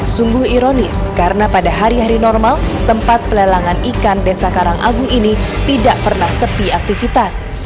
sungguh ironis karena pada hari hari normal tempat pelelangan ikan desa karang agung ini tidak pernah sepi aktivitas